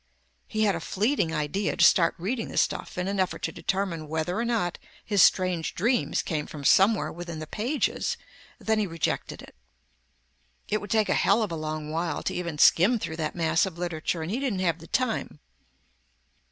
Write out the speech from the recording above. He had a fleeting idea to start reading the stuff in an effort to determine whether or not his strange dreams came from somewhere within the pages, then he rejected it. It would take a hell of a long while to even skim through that mass of literature and he didn't have the time.